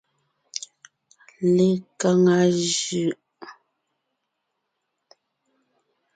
Lekaŋa jʉʼ.